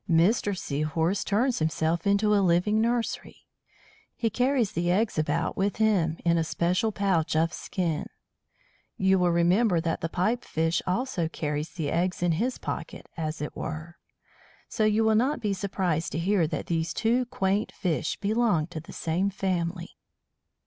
Mr. Sea horse turns himself into a living nursery. He carries the eggs about with him, in a special pouch of skin! You will remember that the Pipe fish also carries the eggs in his pocket, as it were. So you will not be surprised to hear that these two quaint fish belong to the same family.